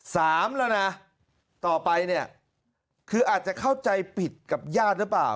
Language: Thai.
สามแล้วนะต่อไปเนี่ยคืออาจจะเข้าใจผิดกับญาติหรือเปล่า